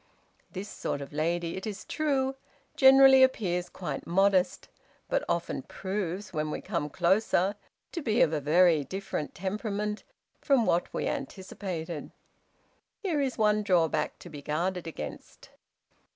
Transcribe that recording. This sort of lady, it is true, generally appears quite modest; but often proves, when we come closer, to be of a very different temperament from what we anticipated. Here is one drawback to be guarded against.